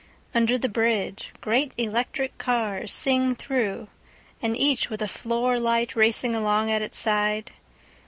Under the bridgeGreat electric carsSing through, and each with a floor light racing along at its side.